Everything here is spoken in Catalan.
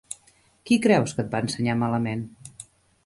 Qui creus que et va ensenyar malament?